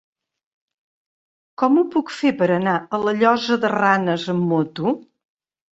Com ho puc fer per anar a la Llosa de Ranes amb moto?